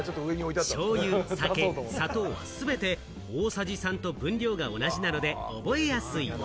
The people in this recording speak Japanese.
しょうゆ、酒、砂糖、全て大さじ３と分量が同じなので覚えやすい。